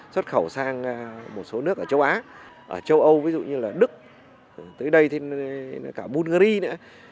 đổ sang một số nước ở châu á ở châu âu ví dụ như là đức tới đây thì cả bulgari nữa